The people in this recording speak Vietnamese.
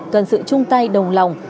có sự chung tay đồng lòng